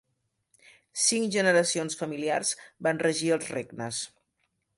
Cinc generacions familiars van regir els regnes.